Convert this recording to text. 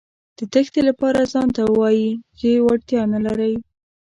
د تېښتې لپاره ځانته وايئ چې وړتیا نه لرئ.